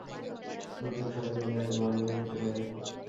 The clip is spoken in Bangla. নতুন শহরে গেলে হয়তো, ভালো হয়ে যেতে পারে।